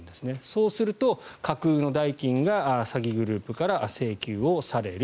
そうすると、架空の代金が詐欺グループから請求される。